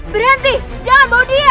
berhenti jangan bawa dia